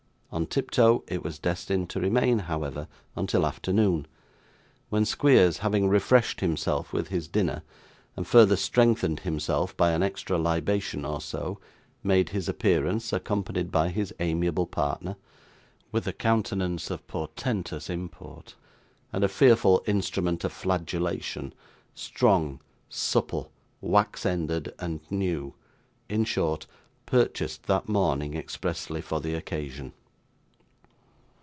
On tiptoe it was destined to remain, however, until afternoon; when Squeers, having refreshed himself with his dinner, and further strengthened himself by an extra libation or so, made his appearance (accompanied by his amiable partner) with a countenance of portentous import, and a fearful instrument of flagellation, strong, supple, wax ended, and new, in short, purchased that morning, expressly for the occasion.